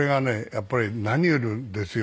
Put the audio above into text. やっぱり何よりですよ。